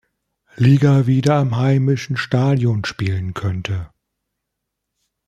Liga wieder im heimischen Stadion spielen könnte.